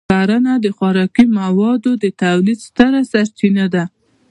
کرنه د خوراکي موادو د تولید ستره سرچینه ده.